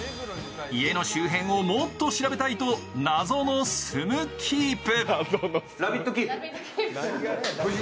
家の周辺をもっと調べたいと、なぞの住むキープ。